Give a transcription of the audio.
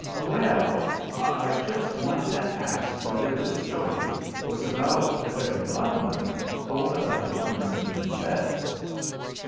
"] "Well, I just wanted to ask whether this story was about the fairy godmother, or about the Prince and Princess."